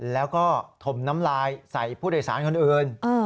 แล้วก็ถมน้ำลายใส่ผู้โดยสารคนอื่น